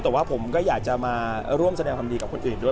แต่ว่าผมก็อยากจะมาร่วมแสดงความดีกับคนอื่นด้วย